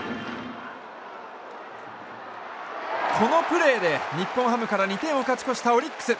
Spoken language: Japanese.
このプレーで日本ハムから２点を勝ち越したオリックス。